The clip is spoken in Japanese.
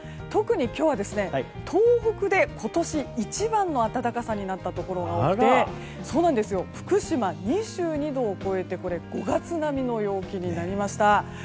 特に今日は東北で今年一番の暖かさになったところが多くて福島、２２度を超えて５月並みの陽気になりました。